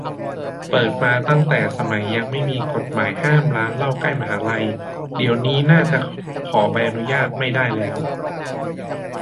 เปิดมาตั้งแต่สมัยยังไม่มีกฎหมายห้ามร้านเหล้าใกล้มหาลัย เดี๋ยวนี้น่าจะขอใบอนุญาตไม่ได้แล้ว